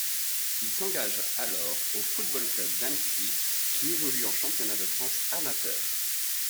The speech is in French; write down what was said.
Il s'engage alors au Football Club d'Annecy qui évolue en championnat de France amateur.